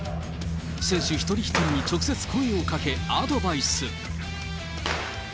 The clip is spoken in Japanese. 選手一人一人に直接声をかけ、アドバイス。